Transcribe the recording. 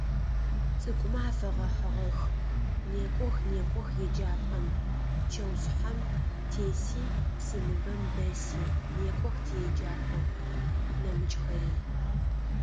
Цӏыкӏумэ афэгъэхьыгъэх: «Некӏох, некӏох еджапӏэм…чэушъхьэм теси, псыныбэм дэси… некӏох тиеджапӏэ…», - нэмыкӏхэри.